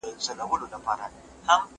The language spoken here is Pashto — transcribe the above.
غوړ پر غوړ توئېږي، نه پر تورو خاورو.